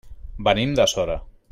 Venim de Sora.